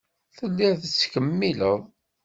Telliḍ tettkemmileḍ.